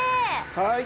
はい！